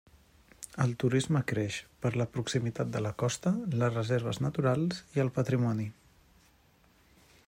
El turisme creix, per la proximitat de la costa, les reserves naturals i el patrimoni.